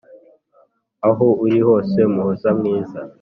aho uri hose muhoza mwiza,